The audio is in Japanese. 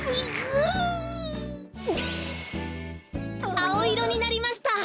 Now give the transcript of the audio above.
あおいろになりました。